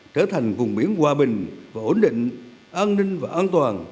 trở thành vùng biển hòa bình và ổn định an ninh và an toàn